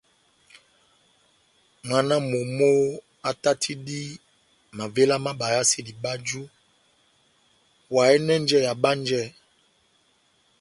Mwána wa momó átátidi mavéla má bayasedi báju, oháyɛnɛjɛ abánjɛ,